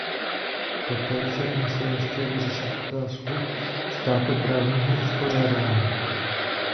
Poté však musel ještě vyřešit otázku státoprávního uspořádání.